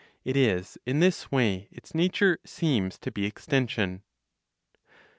It is in this way its nature seems to be extension.